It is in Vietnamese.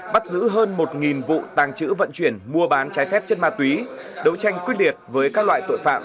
bắt giữ hơn một vụ tàng trữ vận chuyển mua bán trái phép chất ma túy đấu tranh quyết liệt với các loại tội phạm